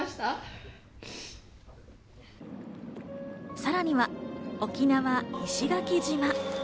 さらには沖縄・石垣島。